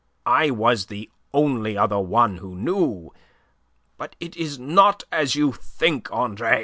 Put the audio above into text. "I was the only other one who knew. But it is not as you think, Andre.